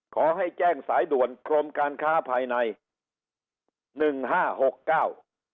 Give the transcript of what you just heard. ขอให้แจ้งสายด่วนกรมการค้าภายในหนึ่งห้าหกเก้า